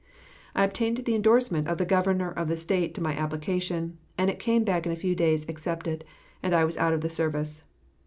I obtained the endorsement of the Governor of the State to my application, and it came back in a few days accepted, and I was out of the service.